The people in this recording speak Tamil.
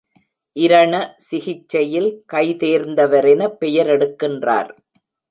இரண சிகிச்சையில் கைதேர்ந்தவரென பெயரெடுக்கின்றார்.